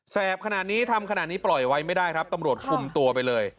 ขนาดนี้ทำขนาดนี้ปล่อยไว้ไม่ได้ครับตำรวจคุมตัวไปเลย